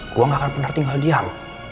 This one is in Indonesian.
gue gak akan pernah tinggal diam